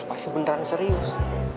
pasti beneran serius